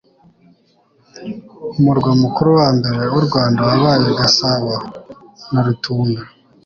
Umurwa mukuru wa mbere w'u Rwanda wabaye Gasabo na Rutunga,